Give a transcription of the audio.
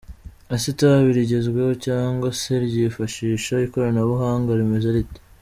Ese itabi rigezweho cyangwa se ryifashisha ikoranabuhanga rimeze rite?.